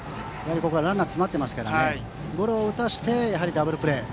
ここはランナーが詰まっているのでゴロを打たせてダブルプレー。